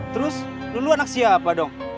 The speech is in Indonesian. terus dulu anak siapa dong